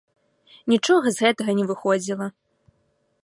Нічога з гэтага не выходзіла.